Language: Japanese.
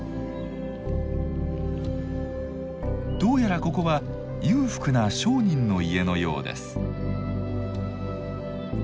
どうやらここは裕福な商人の家のようです。